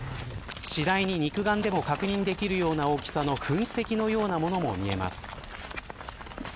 次第に肉眼でも確認できるような大きさの噴石のようなものも見えます。